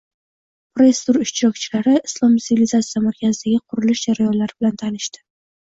Press-tur ishtirokchilari Islom sivilizatsiya markazidagi qurilish jarayonlari bilan tanishdi